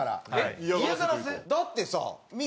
だってさ水